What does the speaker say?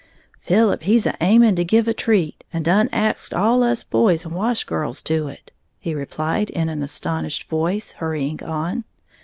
"Philip he's aiming to give a treat, and done axed all us boys and wash girls to it," he replied in an astonished voice, hurrying on.